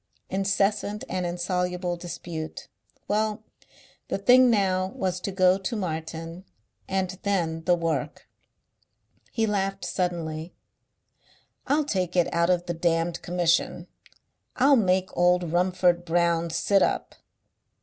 Incessant and insoluble dispute. Well, the thing now was to go to Martin.... And then the work! He laughed suddenly. "I'll take it out of the damned Commission. I'll make old Rumford Brown sit up."